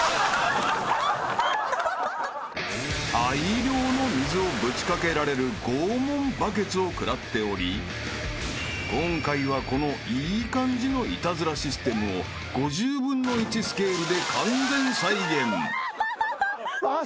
［大量の水をぶち掛けられる拷問バケツを食らっており今回はこのいい感じのイタズラシステムを５０分の１スケールで完全再現］